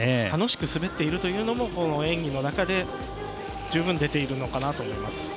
楽しく滑っているというのもこの演技の中で十分出ているのかなと思います。